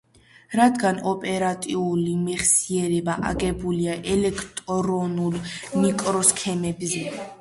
რადგან ოპერატიული მეხსიერება აგებულია ელექტრონულ მიკროსქემებზე,